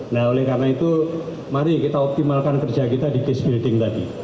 nah oleh karena itu mari kita optimalkan kerja kita di case building tadi